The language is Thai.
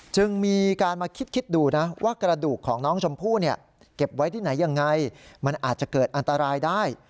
จึงมีการมาคิดดูนะว่ากระดูกของน้องชมพู่เนี่ยเก็บไว้ที่ไหนยังไงมันอาจจะเกิดอันตรายได้